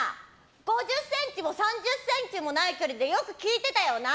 ５０ｃｍも３０ｃｍもない距離でよく聞いてたよな！